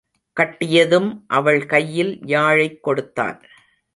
கட்டியதும் அவள் கையில் யாழைக் கொடுத்தான்.